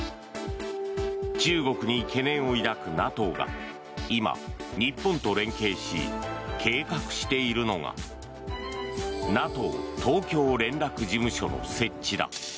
中国に懸念を抱くＮＡＴＯが今、日本と連携し計画しているのがＮＡＴＯ東京連絡事務所の設置だ。